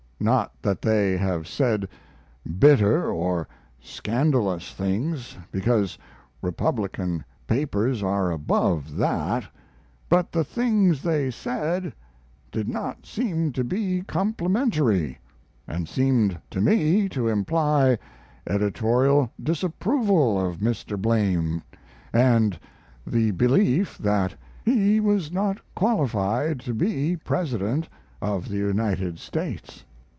Not that they have said bitter or scandalous things, because Republican papers are above that, but the things they said did not seem to be complimentary, and seemed to me to imply editorial disapproval of Mr. Blame and the belief that he was not qualified to be President of the United States.